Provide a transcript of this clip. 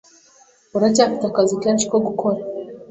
Uracyafite akazi kenshi ko gukora.